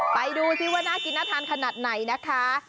ไปดูซิว่าน่ากินน่าทานขนาดไหนนะคะ